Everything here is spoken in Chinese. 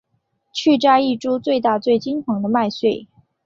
去摘一株最大最金黄的麦穗